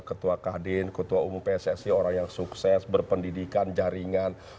ketua kadin ketua umum pssi orang yang sukses berpendidikan jaringan